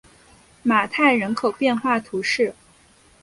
马泰人口变化图示